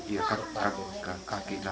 ya kaki lah